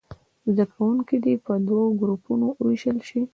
زده کوونکي دې په دوو ګروپونو ووېشل شي.